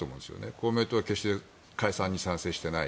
公明党は決して解散に賛成していない。